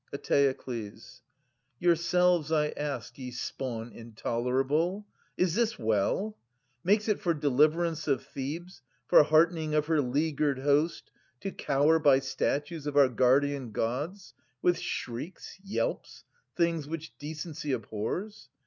Etbokles. Yourselves 1 ask, ye spawn intolerable. Is this well ?— makes it for deliverance Of Thebes, for heartening of her leaguered host, To cower by statues of our guardian Gods, With shrieks, yelps, — things which decency abhors